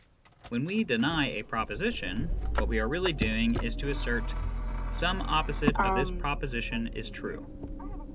When we deny a proposition, what we are really doing is to assert: "Some opposite of this proposition is true."